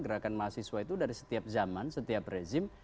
gerakan mahasiswa itu dari setiap zaman setiap rezim